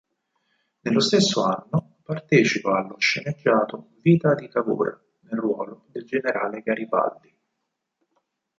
Nello stesso anno partecipa allo sceneggiato "Vita di Cavour" nel ruolo del generale Garibaldi.